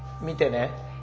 見てね。